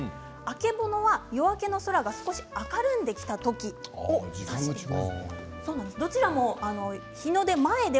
曙は夜明けの空が少し明るんできた時を指してしています。